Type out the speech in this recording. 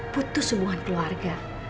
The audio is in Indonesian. putus hubungan keluarga